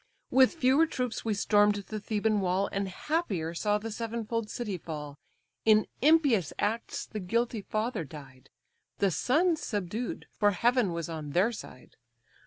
With fewer troops we storm'd the Theban wall, And happier saw the sevenfold city fall, In impious acts the guilty father died; The sons subdued, for Heaven was on their side.